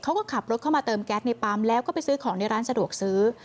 เขาก็ขับรถเข้ามาเติมแก๊สในปั๊มแล้วก็ไปซื้อของในร้านสะดวกซื้อ